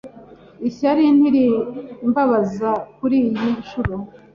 Ishyari ntirimbabaza kuriyi nshuro